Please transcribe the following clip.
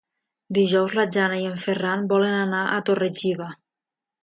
Dijous na Jana i en Ferran volen anar a Torre-xiva.